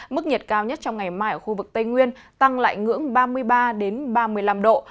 mức nhiệt cao nhất trong ngày mai ở khu vực tây nguyên tăng lại ngưỡng ba mươi ba ba mươi năm độ